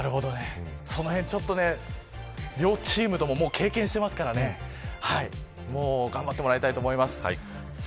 そのへん、両チームとも経験していますからね頑張ってもらいたいと思います。